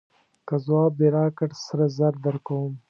که ځواب دې راکړ سره زر درکوم.